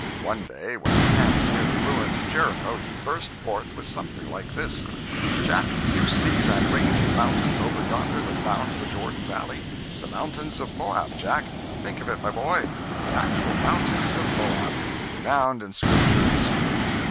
One day, when camped near the ruins of Jericho, he burst forth with something like this: "Jack, do you see that range of mountains over yonder that bounds the Jordan valley? The mountains of Moab, Jack! Think of it, my boy—the actual mountains of Moab—renowned in Scripture history!